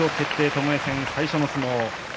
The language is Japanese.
ともえ戦、最初の相撲